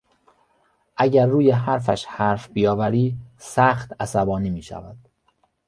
اگر روی حرفش حرف بیاوری سخت عصبانی میشود.